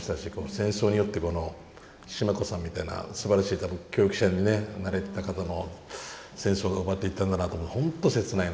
戦争によってこのシマ子さんみたいなすばらしい教育者になれた方を戦争が奪っていったんだなと思うと本当切ないなと思いましたね。